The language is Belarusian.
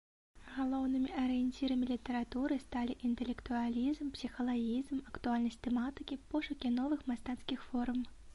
Галоўнымі арыенцірамі літаратуры сталі інтэлектуалізм, псіхалагізм, актуальнасць тэматыкі, пошукі новых мастацкіх форм.